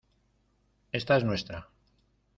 esta es nuestra.